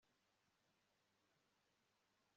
nakunze umwuka upfa